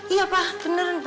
iya pa beneran pa